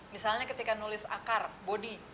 misalnya ketika nulis akar bodi